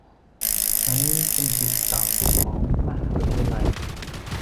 ฉันเป็นศิษย์เก่าของมหาวิทยาลัย